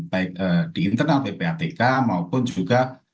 baik di internal ppatk maupun juga